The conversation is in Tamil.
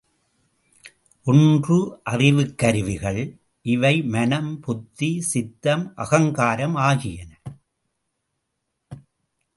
ஒன்று அறிவுக்கருவிகள், இவை மனம், புத்தி, சித்தம், அகங்காரம் ஆகியன.